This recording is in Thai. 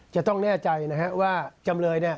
จะต้องแน่ใจนะครับว่าจำเลย